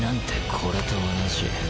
これと同じ。